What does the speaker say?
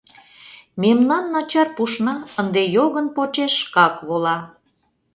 Мемнан начар пушна ынде йогын почеш шкак вола.